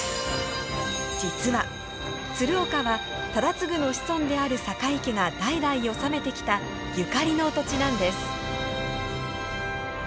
実は鶴岡は忠次の子孫である酒井家が代々治めてきたゆかりの土地なんです。